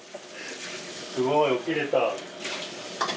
すごい起きれた。